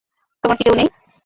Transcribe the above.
তোমার কি কেউ নেই?